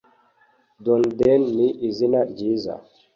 dunedin ni izina ryiza